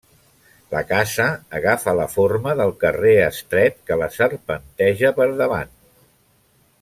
La casa agafa la forma del carrer estret que la serpenteja per davant.